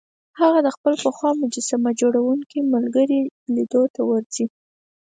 هغه د خپل پخوا مجسمه جوړوونکي ملګري لیدو ته ورځي